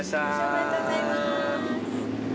ありがとうございます。